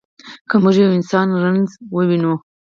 که موږ د یوه انسان رنځ ووینو.